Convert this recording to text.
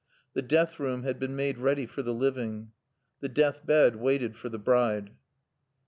The death room had been made ready for the living. The death bed waited for the bride.